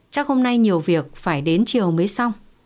chắc hôm nay nhiều việc phải đến chiều mới xong